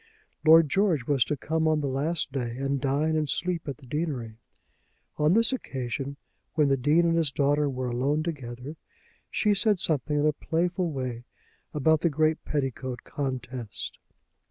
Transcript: Lord George was to come on the last day, and dine and sleep at the deanery. On this occasion, when the Dean and his daughter were alone together, she said something in a playful way about the great petticoat contest.